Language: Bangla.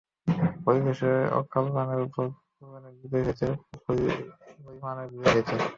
পরিশেষে অকল্যাণের উপর কল্যাণের বিজয় হয়েছে, কুফরীর উপর ঈমানের বিজয় হয়েছে।